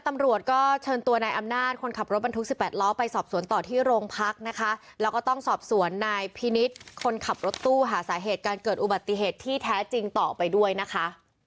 ตำรวจก็เชิญตัวนายอำนาจคนขับรถบรรทุกสิบแปดล้อไปสอบสวนต่อที่โรงพักนะคะแล้วก็ต้องสอบสวนนายพินิษฐ์คนขับรถตู้หาสาเหตุการเกิดอุบัติเหตุที่แท้จริงต่อไปด้วยนะคะ